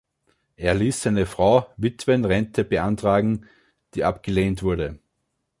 Er ließ seine Frau Witwenrente beantragen, die abgelehnt wurde.